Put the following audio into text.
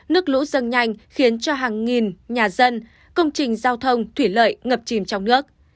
nước lũ dâng nhanh khiến cho hàng nghìn nhà dân công trình giao thông thủy lợi ngập chìm trong nước